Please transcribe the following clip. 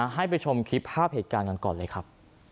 ให้ไปชมคลิปภาพเหตุการณ์กันก่อนเลยครับ